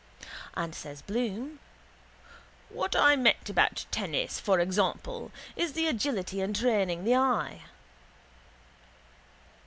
And says Bloom: —What I meant about tennis, for example, is the agility and training the eye.